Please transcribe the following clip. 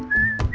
ya udah deh